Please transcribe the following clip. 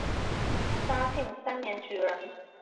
嘉庆三年举人。